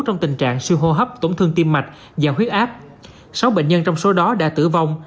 trong tình trạng siêu hô hấp tổn thương tim mạch và huyết áp sáu bệnh nhân trong số đó đã tử vong